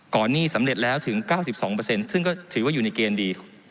หนี้สำเร็จแล้วถึง๙๒ซึ่งก็ถือว่าอยู่ในเกณฑ์ดี